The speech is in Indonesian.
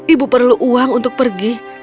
ibu perlu uang untuk pergi